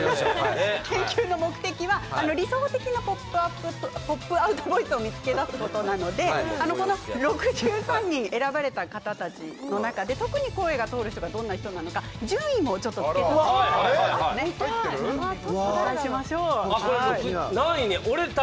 研究の目的は理想的なポップアウトボイスを見つけることなので６３人に選ばれた方たちの中で特に声が通る人がどんな人なのか順位もつけさせていただきました。